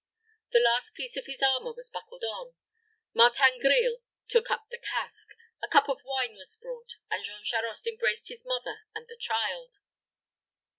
The last piece of his armor was buckled on Martin Grille took up the casque a cup of wine was brought, and Jean Charost embraced his mother and the child.